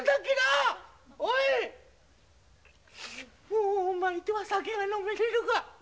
もうお前とは酒が飲めねえのか。